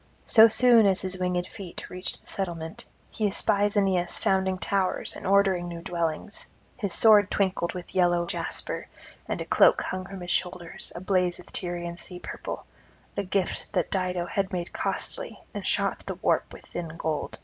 So soon as his winged feet reached the settlement, he espies Aeneas founding towers and ordering new dwellings; his sword twinkled with yellow jasper, and a cloak hung from his shoulders ablaze with Tyrian sea purple, a gift that Dido had made costly and shot the warp with thin gold.